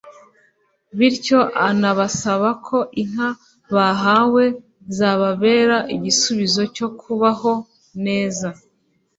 bityo anabasaba ko inka bahawe zababera igisubizo cyo kubaho neza